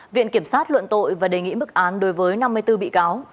viện kiểm sát luận tội và đề nghị mức án đối với năm mươi bốn bị cáo